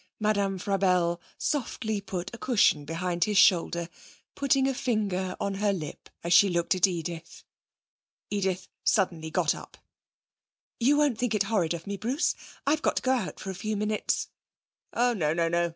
Madame Frabelle softly put a cushion behind his shoulder, putting a finger on her lip as she looked at Edith. Edith suddenly got up. 'You won't think it horrid of me, Bruce? I've got to go out for a few minutes.' 'Oh no, no, no!'